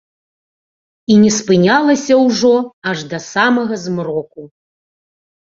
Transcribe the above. І не спынялася ўжо аж да самага змроку.